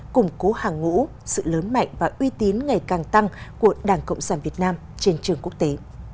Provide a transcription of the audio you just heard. củng cố hàng ngũ sự lớn mạnh và uy tín ngày càng tăng của đảng cộng sản việt nam trên trường quốc tế